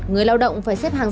người lao động